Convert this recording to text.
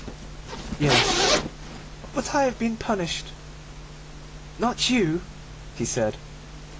"Yes." "But I have been punished." "Not you!" he said.